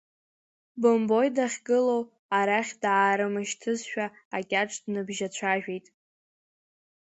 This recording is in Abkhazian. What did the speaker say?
Бымбои дахьгылоу, арахь даармышьҭызшәа, акьаҿ дныбжьацәажәеит.